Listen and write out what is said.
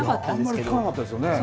あんまり聞かなかったですよね。